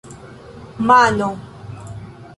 mano